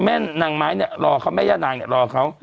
แม่นางไม้เนี่ยรอเขาแม่ย่านางเนี่ยรอเขา